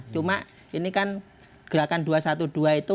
cuma ini kan gerakan dua ratus dua belas itu